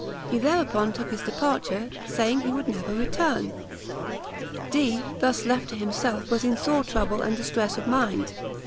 He thereupon took his departure, saying that he would never return. Dee, thus left to himself, was in sore trouble and distress of mind.